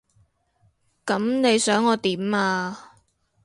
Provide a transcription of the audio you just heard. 噉你想我點啊？